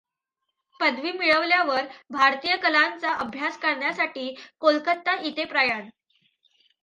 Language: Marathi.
पदवी मिळवल्यावर भारतीय कलांचा अभ्यास करण्यासाठी कोलकाता इथे प्रयाण.